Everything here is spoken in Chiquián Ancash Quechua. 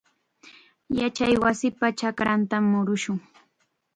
Yachaywasipa chakrantam murushun.